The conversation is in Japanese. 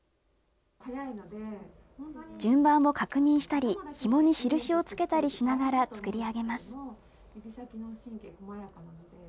順番を確認したり、ひもに印をつけたりしながら作り上げます。